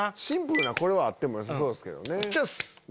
シンプルなこれはあってもよさそうですけどね。